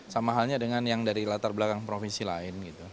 sama halnya dengan yang dari latar belakang profesi lain